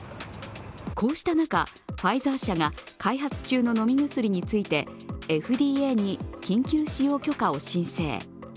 こうした中、ファイザー社が開発中の飲み薬についてＦＤＡに緊急使用許可を申請。